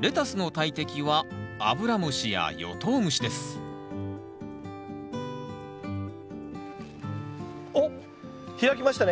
レタスの大敵はアブラムシやヨトウムシですおっ開きましたね。